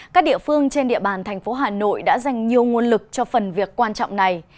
các địa phương trên địa bàn thành phố hà nội đã dành nhiều nguồn lực cho phần việc quan trọng này